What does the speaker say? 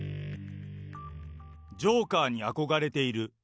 ジョーカーに憧れている。